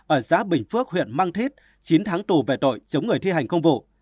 ở xã bình phước huyện mang thít chín tháng tù về tội chống người thi hành công vụ